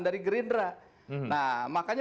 dari gerindra nah makanya